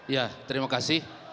ya terima kasih